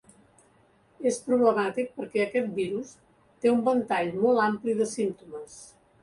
És problemàtic perquè aquest virus té un ventall molt ampli de símptomes.